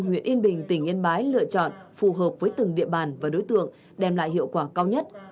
huyện yên bình tỉnh yên bái lựa chọn phù hợp với từng địa bàn và đối tượng đem lại hiệu quả cao nhất